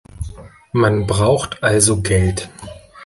Man braucht also Geld.